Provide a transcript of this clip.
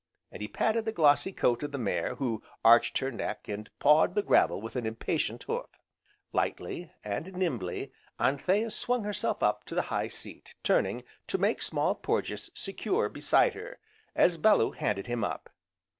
and he patted the glossy coat of the mare, who arched her neck, and pawed the gravel with an impatient hoof. Lightly, and nimbly Anthea swung herself up to the high seat, turning to make Small Porges secure beside her, as Bellew handed him up.